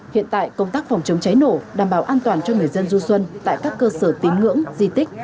hiện tại công tác phòng chống cháy nổ đảm bảo an toàn cho người dân du xuân tại các cơ sở tín ngưỡng di tích